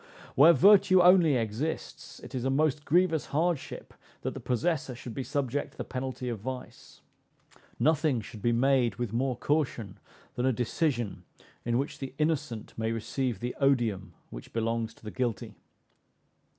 Where virtue only exists, it is a most grievous hardship that the possessor should be subject to the penalty of vice. Nothing should be made with more caution than a decision in which the innocent may receive the odium which belongs to the guilty.